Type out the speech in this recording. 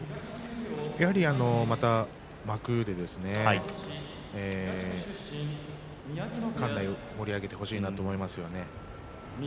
やはり幕で館内を盛り上げてほしいなと思いますね。